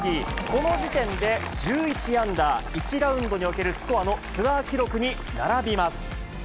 この時点で１１アンダー、１ラウンドにおけるスコアのツアー記録に並びます。